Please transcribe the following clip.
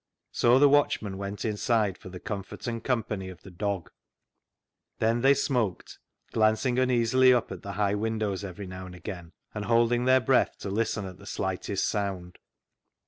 So the watchmen went inside for the comfort and company of the dog. Then they smoked, glancing uneasily up at the 338 CLOG SHOP CHRONICLES high windows every now and again, and holding their breath to listen at the slightest sound.